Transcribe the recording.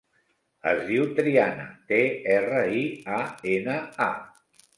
Es diu Triana: te, erra, i, a, ena, a.